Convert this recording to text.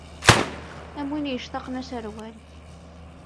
Am win yectaqen aserwal.